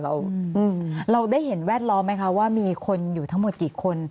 เราได้เห็นแวดล้อมไหมคะว่ามีคนอยู่ทั้งหมดกี่คน